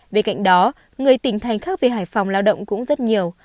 về cạnh đó người tỉnh thành khắc về hải phòng lao động cũng rất nhiều